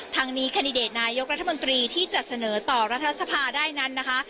ทางนี้แคนดิเดตนายกรัฐมนตรีที่จะเสนอต่อรัฐสภาได้นั้นนะคะ